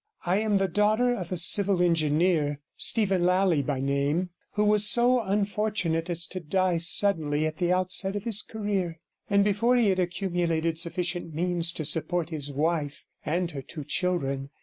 I am the daughter of a civil engineer, Steven Lally by name, who was so unfortunate as to die suddenly at the outset of his career, and before he had accumulated sufficient means to support his wife and her two children.